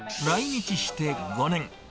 来日して５年。